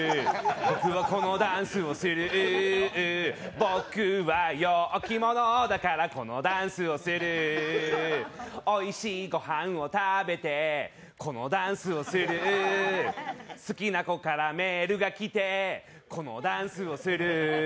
僕はこのダンスをする僕は陽気者だからこのダンスをするおいしいご飯を食べてこのダンスをする好きな子からメールがきてこのダンスをする。